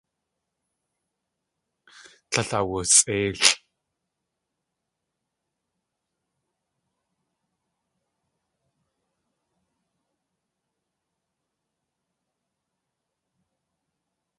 Tlél awusʼéilʼ.